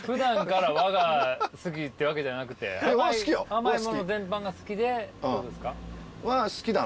甘いもの全般が好きでってことですか？